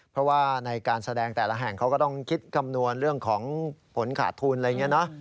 เพราะว่าในการแสดงแต่ละแห่งเขาก็ต้องคิดคำนวณเรื่องของผลขาดทุนอะไรอย่างนี้นะ